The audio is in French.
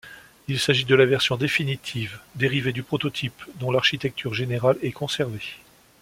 Il s'agit de la version définitive dérivée du prototype, dont l'architecture générale est conservée.